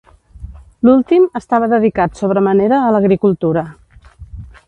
L'últim estava dedicat sobre manera a l'agricultura.